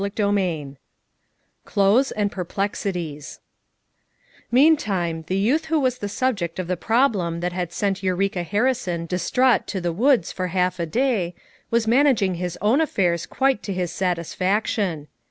CHAPTER XI CLOTHES AND PEKPLEXITIES Meantime, the youth who was the subject of the problem that had sent Eureka Harrison distraught to the woods for half a day, was managing his own affairs quite to his satisfac tion.